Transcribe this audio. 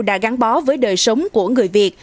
đã gắn bó với đời sống của người việt